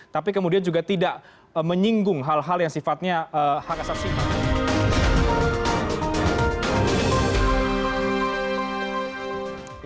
tapi kemudian juga tidak menyinggung hal hal yang sifatnya hak asasi manusia